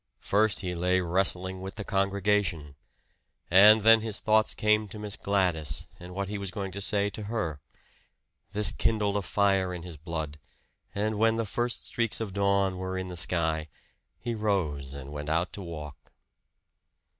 First he lay wrestling with the congregation. And then his thoughts came to Miss Gladys, and what he was going to say to her. This kindled a fire in his blood, and when the first streaks of dawn were in the sky, he rose and went out to walk.